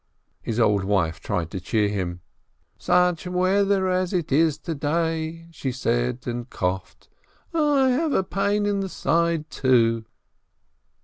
His old wife tried to cheer him. "Such weather as it is to day," she said, and coughed. "I have a pain in the side, too."